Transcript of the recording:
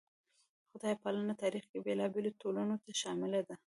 خدای پالنه تاریخ کې بېلابېلو ټولنو ته شامله ده.